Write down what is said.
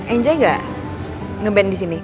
enjoy gak ngeband disini